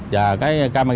và cái camera gắn